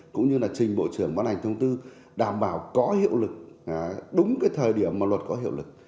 cũng như là trình bộ trưởng ban hành thông tư đảm bảo có hiệu lực đúng cái thời điểm mà luật có hiệu lực